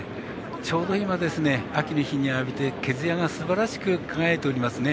ちょうど今、秋の日に浴びて毛づやがすばらしく輝いておりますね。